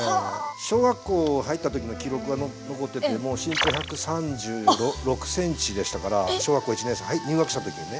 小学校入った時の記録が残っててもう身長１３６ｃｍでしたから小学校１年生入学した時にね。